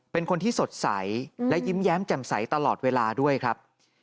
เป็นคนที่สดใสและยิ้มแย้มแจ่มใสตลอดเวลาด้วยครับ